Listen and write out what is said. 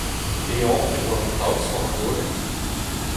Pe anv e oa an taos war an holen ?